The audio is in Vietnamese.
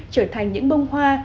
của hội họa